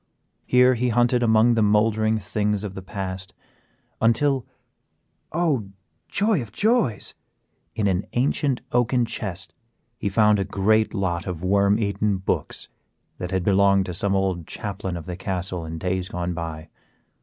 Here he hunted among the mouldering things of the past until, oh, joy of joys! in an ancient oaken chest he found a great lot of worm eaten books, that had belonged to some old chaplain of the castle in days gone by.